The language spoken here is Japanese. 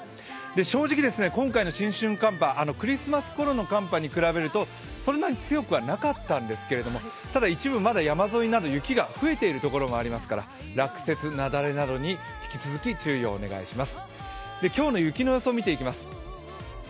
正直、今回の新春寒波、クリスマスごろの寒波に比べるとそれほど強くはなかったんですけど一部山沿いなど雪が増えているところもありますから落雪、雪崩などに引き続き注意をお願いします。